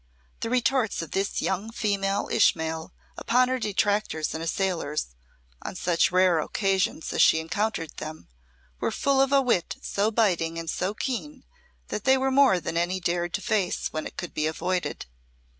The retorts of this young female Ishmael upon her detractors and assailers, on such rare occasions as she encountered them, were full of a wit so biting and so keen that they were more than any dared to face when it could be avoided.